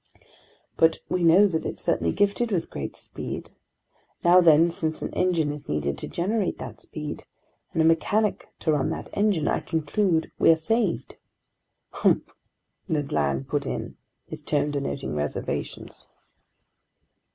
"But we know that it's certainly gifted with great speed. Now then, since an engine is needed to generate that speed, and a mechanic to run that engine, I conclude: we're saved." "Humph!" Ned Land put in, his tone denoting reservations.